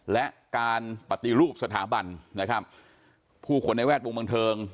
และการปฏิรูปสถาบันนะครับผู้คนในแวดวงบันเทิง